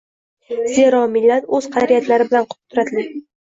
Zero, millat o‘z qadriyatlari bilan qudratli.